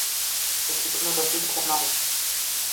এটি কোনো রসিকতা নয়!